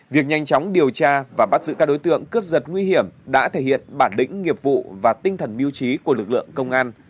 việc nhanh chóng điều tra và bắt giữ các đối tượng cướp giật nguy hiểm đã thể hiện bản lĩnh nghiệp vụ và tinh thần mưu trí của lực lượng công an